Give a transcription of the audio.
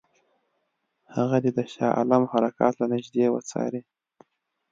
هغه دې د شاه عالم حرکات له نیژدې وڅاري.